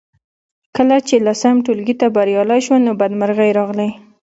کله چې لسم ټولګي ته بریالۍ شوم نو بدمرغۍ راغلې